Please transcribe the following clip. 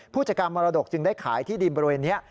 ผู้จัดการมรดกจึงได้ขายที่ดินบริเวณนี้